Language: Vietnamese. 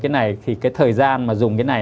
cái này thì cái thời gian mà dùng cái này